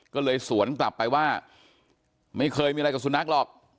ก็เลยสวนกลับไปว่าไม่เคยมีอะไรกับสุนัขหรอก